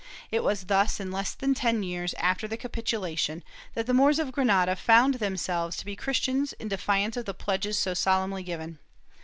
It was thus, in less than ten years after the capitulation, that the Moors of Granada found themselves to be Christians in defiance of the pledges so solemnly given.